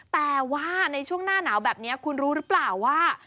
แต่ว่าในช่วงหน้าหนาวแบบนี้คุณรู้หรือเปล่าว่า